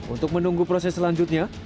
untuk menunggu proses selanjutnya